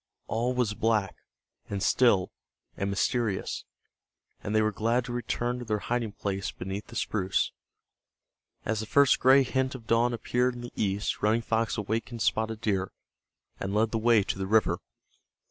All was black, and still, and mysterious, and they were glad to return to their hiding place beneath the spruce. As the first gray hint of dawn appeared in the east Running Fox awakened Spotted Deer, and led the way to the river.